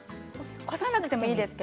干さなくてもいいんですか。